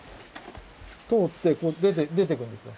通って出てくるんですよ。